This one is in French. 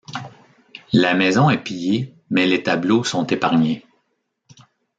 La maison est pillée, mais les tableaux sont épargnés.